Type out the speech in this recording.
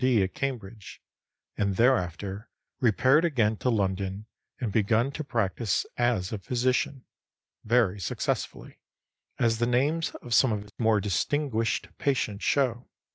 D. at Cambridge, and thereafter repaired again to London and begun to practice as a physician, very successfully, as the names of some of his more distinguished patients show.